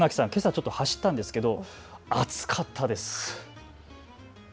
ちょっと走ったんですけど暑かったです。